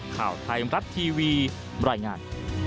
ข่าวไทยมรัฐทีวีบรรยายงาน